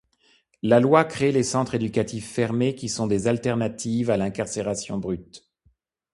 La loi crée les Centres éducatifs fermés, qui sont des alternatives à l'incarcération brute.